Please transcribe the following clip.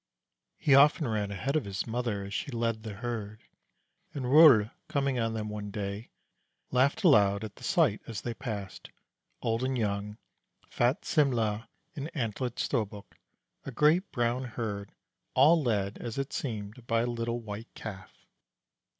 He often ran ahead of his mother as she led the herd, and Rol, coming on them one day, laughed aloud at the sight as they passed, old and young, fat Simle' and antlered Storbuk, a great brown herd, all led, as it seemed, by a little White Calf.